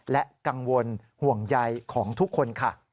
และกังวลห่วงใยของทุกคนค่ะ